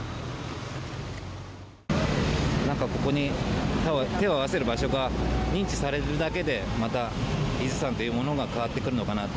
ここに手をあわせる場所が認知されるだけで伊豆山というものが変わってくるのかなと。